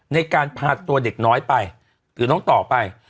ในการพาตัวเด็กน้อยไปหรือน้องต่อไป